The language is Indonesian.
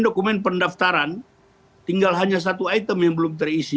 dokumen pendaftaran tinggal hanya satu item yang belum terisi